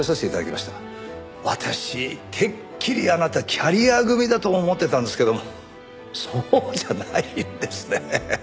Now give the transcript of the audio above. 私てっきりあなたキャリア組だと思ってたんですけどもそうじゃないんですね。